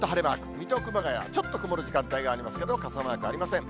水戸、熊谷、ちょっと曇る時間帯がありますけれども、傘マークありません。